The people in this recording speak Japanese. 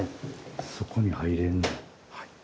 そこに入れんねや。